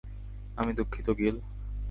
আমি দুঃখিত, গিল।